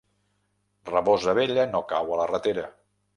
Rabosa vella no cau a la ratera.